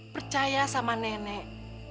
percaya sama nenek